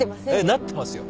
なってますよ。